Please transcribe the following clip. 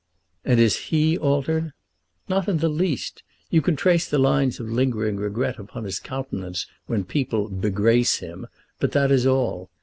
"And is he altered?" "Not in the least. You can trace the lines of lingering regret upon his countenance when people be Grace him; but that is all.